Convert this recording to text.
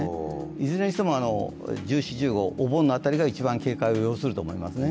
いずれにしても、１４、１５、お盆のあたりが一番警戒を要すると思いますね。